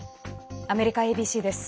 アメリカＡＢＣです。